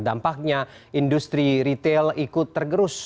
dampaknya industri retail ikut tergerus